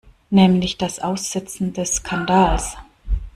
Nämlich das Aussitzen des Skandals.